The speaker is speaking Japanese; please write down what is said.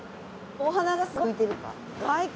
お花がすごい浮いてるとか。